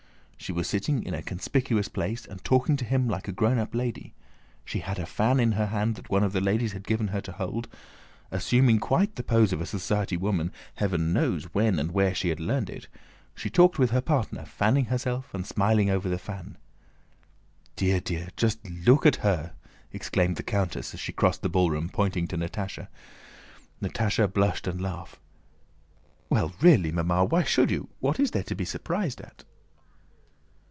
She was sitting in a conspicuous place and talking to him like a grown up lady. She had a fan in her hand that one of the ladies had given her to hold. Assuming quite the pose of a society woman (heaven knows when and where she had learned it) she talked with her partner, fanning herself and smiling over the fan. "Dear, dear! Just look at her!" exclaimed the countess as she crossed the ballroom, pointing to Natásha. Natásha blushed and laughed. "Well, really, Mamma! Why should you? What is there to be surprised at?"